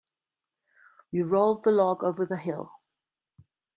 We rolled the log over the hill.